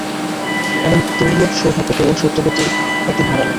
এমন দুর্লভ সৌভাগ্যকেও সত্যবতী একদিন হারালেন।